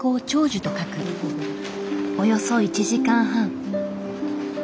およそ１時間半。